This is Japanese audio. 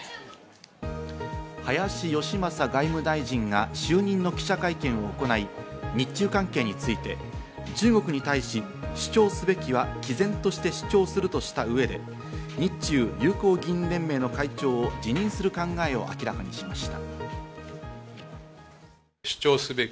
林芳正外務大臣が就任の記者会見を行い、日中関係について、中国に対し主張すべきは毅然として主張するとした上で、日中友好議員連盟の会長を辞任する考えを明らかにしました。